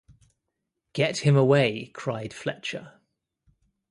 “Get him away,” cried Fletcher.